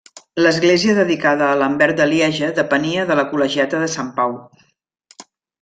L'església dedicada a Lambert de Lieja depenia de la Col·legiata de Sant Pau.